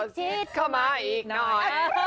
ชิดเข้ามาอีกหน่อย